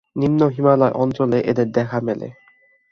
নিম্ন হিমালয় অঞ্চলে এদের দেখা মেলে।